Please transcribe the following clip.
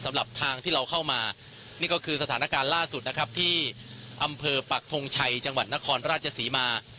สำหรับทางที่เราเข้ามานี่ก็คือสถานการณ์ล่าสุดนะครับที่อำเภอปักทงชัยจังหวัดนครราชศรีมา